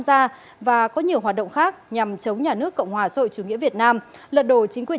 ra và có nhiều hoạt động khác nhằm chống nhà nước cộng hòa sội chủ nghĩa việt nam lật đổ chính quyền